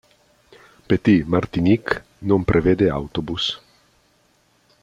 Petit Martinique non prevede autobus.